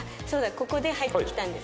ここで入ってきたんです。